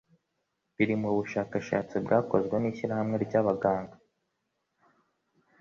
biri Mu bushakashatsi bwakozwe n'ishyirahamwe ry'abaganga